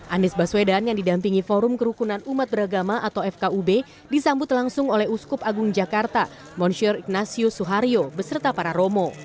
anies baswedan yang didampingi forum kerukunan umat beragama atau fkub disambut langsung oleh uskup agung jakarta monsyur ignatio suhario beserta para romo